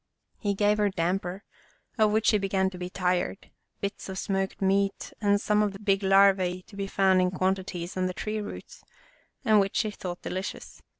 He gave her damper, of which she began to be tired, bits of smoked meat, and some of the white larvae to be found in quantities on the tree roots, and which she thought delicious.